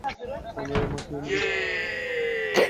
আমরা মাটি এনে দিব।